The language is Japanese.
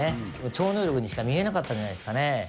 超能力にしか見えなかったんじゃないですかね。